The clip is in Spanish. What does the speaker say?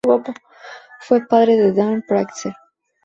Fue padre de Dan Pritzker.